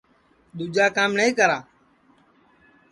دؔوجا کام نائی کرا